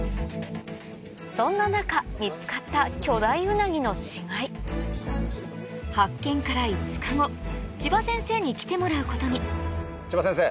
そんな中見つかった巨大ウナギの死骸発見から千葉先生に来てもらうことに千葉先生